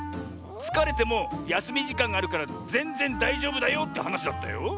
つかれてもやすみじかんがあるからぜんぜんだいじょうぶだよってはなしだったよ。